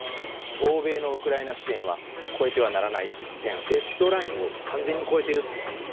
欧米のウクライナ支援は越えてはならない一線レッドラインを完全に越えていると言っています。